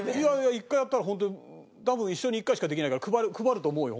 一回やったらホントに多分一生に一回しかできないから配ると思うよ